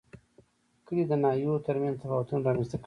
کلي د ناحیو ترمنځ تفاوتونه رامنځ ته کوي.